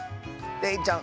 れいちゃん